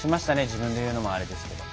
自分で言うのもあれですけど。